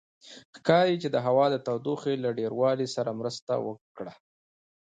ښکاري چې د هوا تودوخې له ډېروالي سره مرسته وکړه.